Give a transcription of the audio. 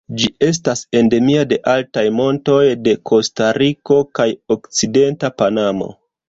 Ĝi estas endemia de altaj montoj de Kostariko kaj okcidenta Panamo.